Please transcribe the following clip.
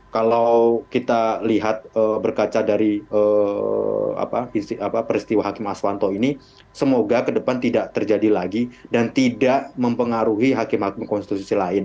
kalau kita lihat berkaca dari peristiwa hakim aswanto ini semoga ke depan tidak terjadi lagi dan tidak mempengaruhi hakim hakim konstitusi lain